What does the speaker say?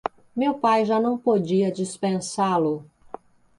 meu pai já não podia dispensá-lo.